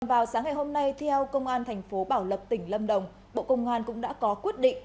vào sáng ngày hôm nay theo công an thành phố bảo lộc tỉnh lâm đồng bộ công an cũng đã có quyết định